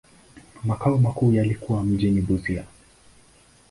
Makao makuu yalikuwa mjini Busia.